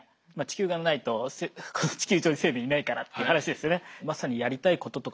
地球がないとこの地球上に生命いないからって話ですよね。